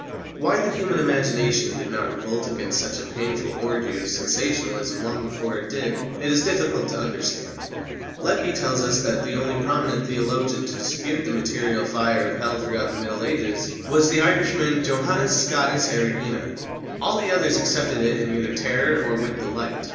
'" Why the human imagination did not revolt against such a painful orgy of sensationalism long before it did, it is difficult to understand. Lecky tells us that the only prominent theologian to dispute the material fire of Hell throughout the Middle Ages was the Irishman Johannes Scotus Erigena. All the others accepted it either in terror or with delight.